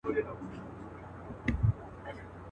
پر خپلو پښو د خپل قاتل غیږي ته نه ورځمه.